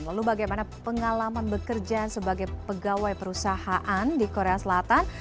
lalu bagaimana pengalaman bekerja sebagai pegawai perusahaan di korea selatan